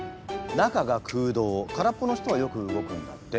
中が空洞からっぽの人はよく動くんだって。